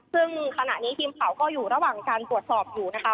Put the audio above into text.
ซึ่งขณะนี้ทีมข่าวก็อยู่ระหว่างการตรวจสอบอยู่นะคะ